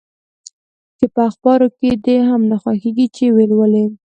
چي په اخبارو کي دي هم نه خوښیږي چي یې ولولې؟